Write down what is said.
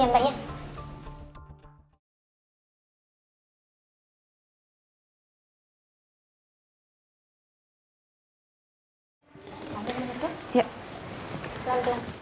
sari khemah kpv